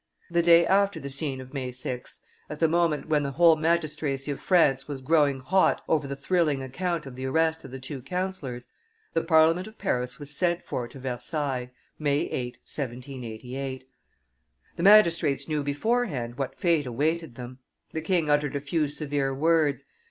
The day after the scene of May 6th, at the moment when the whole magistracy of France was growing hot over the thrilling account of the arrest of the two councillors, the Parliament of Paris was sent for to Versailles (May 8, 1788). [Illustration: Arrest of the Members 502] The magistrates knew beforehand what fate awaited them. The king uttered a few severe words.